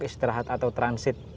untuk istirahat atau transit